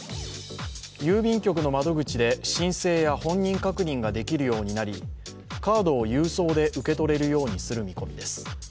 郵便局の窓口で申請や本人確認ができるようになりカードを郵送で受け取れるようにする見込みです。